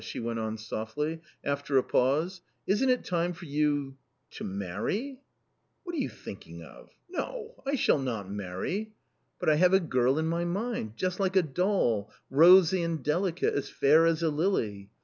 " she went on softly, after a pause ;" isn't it time for you .... to marry ?"" What are you thinking of ! No, I shall not marry." " But I have a girl in my mind — just like a doll, rosy and delicate, as fair as a lily.